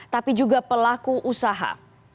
tapi juga pelaku usaha